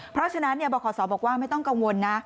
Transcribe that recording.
เพราะฉะนั้นบขศบอกว่าไม่ต้องกังวลนะ